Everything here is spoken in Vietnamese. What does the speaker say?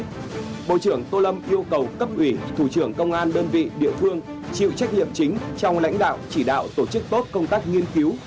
bộ trưởng bộ công an chủ trì buổi lễ bộ trưởng tô lâm yêu cầu cấp ủy thủ trưởng công an đơn vị địa phương chịu trách nhiệm chính trong lãnh đạo chỉ đạo tổ chức tốt công tác nghiên cứu